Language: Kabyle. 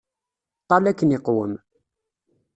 Ṭṭal akken iqwem!